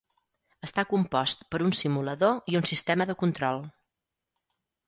Està compost per un simulador i un sistema de control.